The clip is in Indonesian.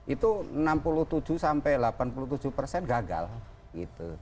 itu enam puluh tujuh sampai delapan puluh tujuh persen gagal gitu